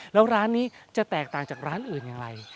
แล้วร้านนี้จะแตกต่างจากร้านอื่นอย่างไร